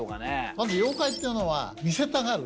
まず妖怪っていうのは見せたがる。